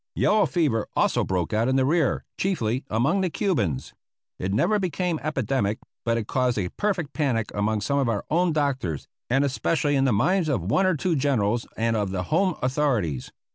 Yellow fever also broke out in the rear, chiefly among the Cubans. It never became epidemic, but it caused a perfect panic among some of our own doctors, and especially in the minds of one or two generals and of the home authorities.